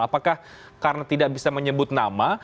apakah karena tidak bisa menyebut nama